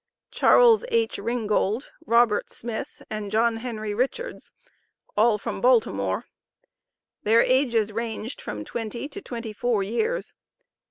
Charles H. Ringold, Robert Smith, and John Henry Richards, all from Baltimore. Their ages ranged from twenty to twenty four years.